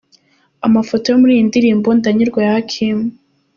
Amafoto yo muri iyi ndirimbo Ndanyurwa ya Hakim.